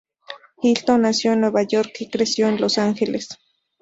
Hilton nació en Nueva York, y creció en Los Ángeles.